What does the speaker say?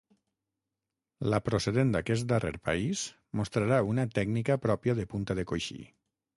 La procedent d’aquest darrer país mostrarà una tècnica pròpia de punta de coixí.